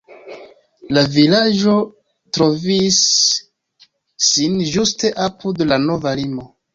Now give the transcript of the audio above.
La vilaĝo trovis sin ĝuste apud la nova limo.